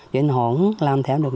vậy họ không làm theo được